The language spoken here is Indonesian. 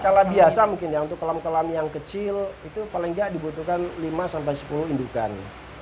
skala biasa mungkin ya untuk kolam kolam yang kecil itu paling nggak dibutuhkan lima sampai sepuluh indukan